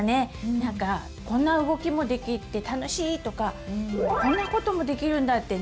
なんかこんな動きもできて楽しいとかこんなこともできるんだってね